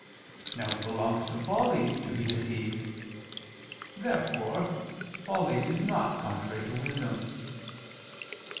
Now it belongs to folly to be deceived. Therefore folly is not contrary to wisdom.